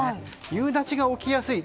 夕立が起きやすい。